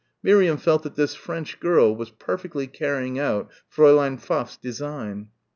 Miriam felt that this French girl was perfectly carrying out Fräulein Pfaff's design.